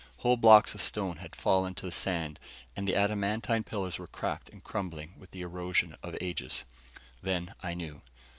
Whole blocks of stone had fallen to the sand, and the adamantine pillars were cracked and crumbling with the erosion of ages. Then I knew.